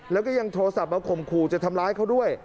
แล้วก็ยังโทรศัพท์มาข่มขู่จะทำร้ายเขาด้วย